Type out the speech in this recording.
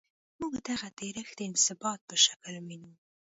موږ دغه ډیرښت د انبساط په شکل وینو.